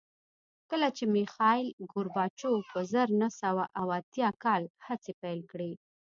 کله چې میخایل ګورباچوف په زر نه سوه اووه اتیا کال هڅې پیل کړې